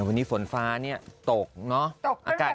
วันนี้ฝนฟ้าเนี่ยตกเนาะ